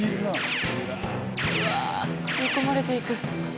うわ吸い込まれていく。